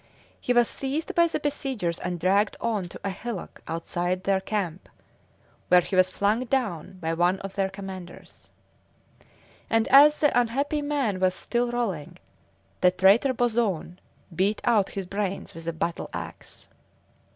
He was seized by the besiegers and dragged on to a hillock outside their camp, where he was flung down by one of their commanders; and as the unhappy man was still rolling, the traitor Boson beat out his brains with a battle axe.